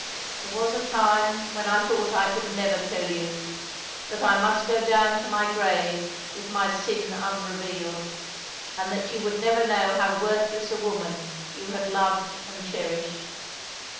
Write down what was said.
" There was a time when I thought I could never tell you — that I must go down to my grave with my sin unrevealed, and that you would never know how worthless a woman you had loved and cherished.